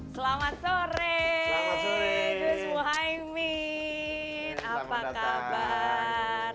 selamat sore gue semua haimin apa kabar